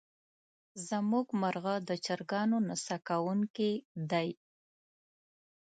زمونږ مرغه د چرګانو نڅا کوونکې دی.